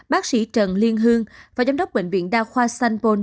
bác sĩ trần liên hương và giám đốc bệnh viện đa khoa sanpon